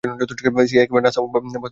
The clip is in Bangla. সিআইএ কিংবা নাসা বা কোনও সংস্থার লোক না?